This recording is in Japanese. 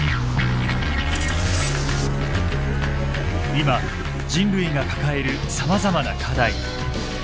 今人類が抱えるさまざまな課題。